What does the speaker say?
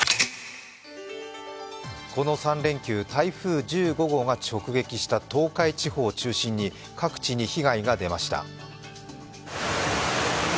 この３連休、台風１５号が直撃した東海地方を中心に各地に被害が出ました。